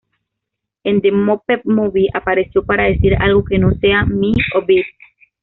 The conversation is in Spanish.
En The Muppet Movie apareció para decir algo que no sea "mee" o "bip".